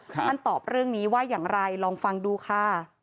ท่านตอบเรื่องนี้ว่าอย่างไรลองฟังดูค่ะ